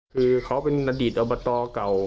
คือเขาเป็นอดีตอบตเก่า